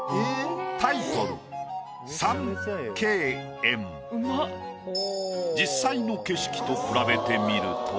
タイトル実際の景色と比べてみると。